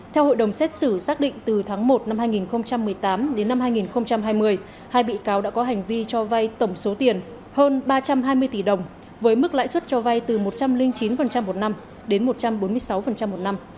theo hội đồng xét xử xác định từ tháng một năm hai nghìn một mươi tám đến năm hai nghìn hai mươi hai bị cáo đã có hành vi cho vay tổng số tiền hơn ba trăm hai mươi tỷ đồng với mức lãi suất cho vay từ một trăm linh chín một năm đến một trăm bốn mươi sáu một năm